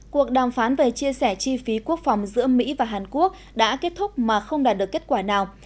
cuộc đàm phán về chia sẻ chi phí quốc phòng giữa mỹ và hàn quốc đã kết thúc mà không đạt được kết quả nào